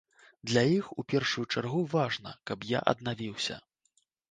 Для іх у першую чаргу важна, каб я аднавіўся.